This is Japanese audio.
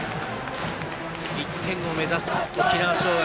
１点を目指す沖縄尚学。